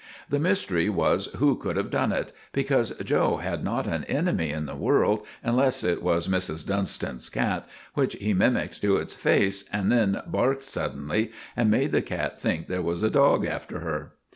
The mystery was who could have done it, because 'Joe' had not an enemy in the world, unless it was Mrs. Dunstan's cat, which he mimicked to its face and then barked suddenly and made the cat think there was a dog after her.